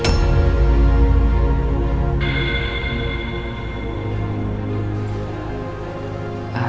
hasil tes dna tersebut